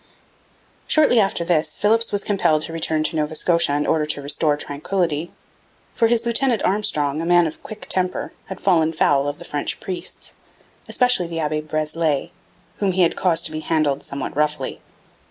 Shortly after this Philipps was compelled to return to Nova Scotia in order to restore tranquillity; for his lieutenant Armstrong, a man of quick temper, had fallen foul of the French priests, especially the Abbe Breslay, whom he had caused to be handled somewhat roughly.